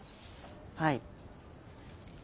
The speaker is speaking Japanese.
はい。